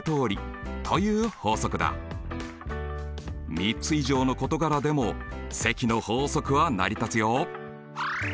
３つ以上の事柄でも積の法則は成り立つよ。